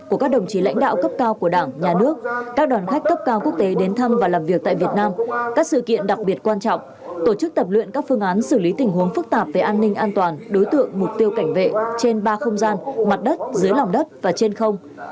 các đồng chí lãnh đạo cấp cao của đảng nhà nước các đoàn khách cấp cao quốc tế đến thăm và làm việc tại việt nam các sự kiện đặc biệt quan trọng tổ chức tập luyện các phương án xử lý tình huống phức tạp về an ninh an toàn đối tượng mục tiêu cảnh vệ trên ba không gian mặt đất dưới lòng đất và trên không